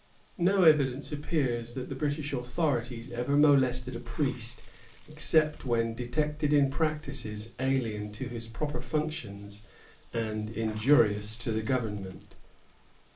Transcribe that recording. No evidence appears that the British authorities ever molested a priest, except when detected in practices alien to his proper functions and injurious to the government.